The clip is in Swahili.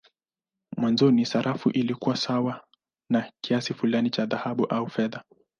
Mwanzoni sarafu ilikuwa sawa na kiasi fulani cha dhahabu au fedha.